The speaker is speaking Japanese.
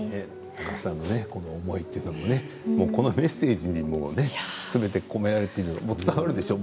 高橋さんのこの思いというのも、このメッセージにすべて込められていて伝わるでしょう？